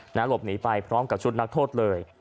หลบหนีไปพร้อมกับชุดนักโทษเลย